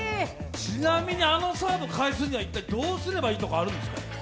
ちなみにあのサーブ返すのには、どうすればいいとかあるんですか？